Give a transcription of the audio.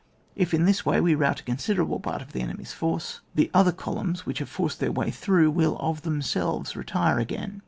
If, in this way, we rout a consider able part of the enemy's force, the other columns which have forced their way through, will of themselves retire again.